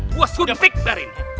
gua sumpik dari ini